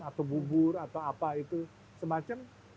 atau bubur atau apa itu semacam